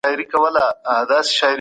دماغ د اکسیجن نشتوالي ته غبرګون ښيي.